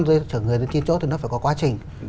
dưới chợ người dân chiến chốt thì nó phải có quá trình